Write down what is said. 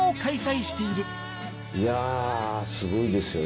いやあすごいですよ